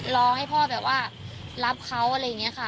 รอให้พ่อแบบว่ารับเขาอะไรอย่างนี้ค่ะ